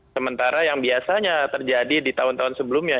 sementara yang biasanya terjadi di tahun tahun sebelumnya